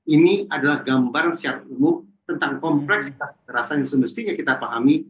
ini adalah gambar secara umum tentang kompleksitas kekerasan yang semestinya kita pahami